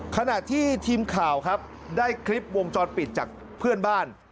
ขณะที่ทีมข่าวครับได้คลิปวงจรปิดจากเพื่อนบ้าน